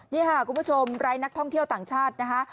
นี่ค่ะคุณผู้ชมไร้นักท่องเที่ยวต่างชาตินะคะ